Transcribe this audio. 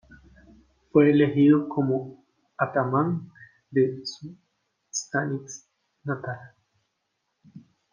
Fue elegido como atamán de su "stanitsa" natal.